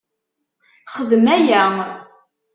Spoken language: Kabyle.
Xdem aya!